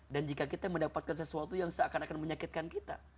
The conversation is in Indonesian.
dan jika kita mendapatkan sesuatu yang seakan akan menyakitkan kita